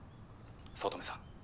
早乙女さん